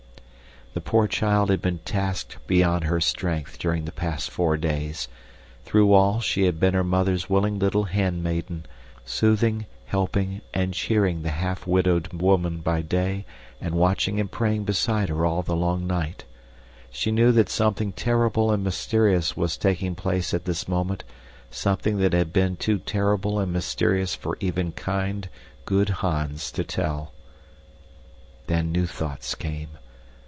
The poor child had been tasked beyond her strength during the past four days. Through all, she had been her mother's willing little handmaiden, soothing, helping, and cheering the half widowed woman by day and watching and praying beside her all the long night. She knew that something terrible and mysterious was taking place at this moment, something that had been too terrible and mysterious for even kind, good Hans to tell. Then new thoughts came.